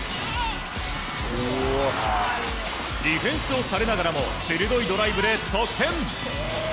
ディフェンスをされながらも鋭いドライブで得点！